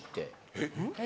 えっ？